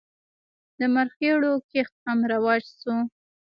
د مرخیړیو کښت هم رواج شوی.